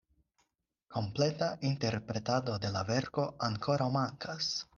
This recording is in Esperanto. Kompleta interpretado de la verko ankoraŭ mankas!